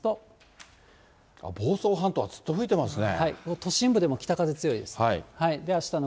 房総半島はずっと吹いてます都心部でも北風強いです。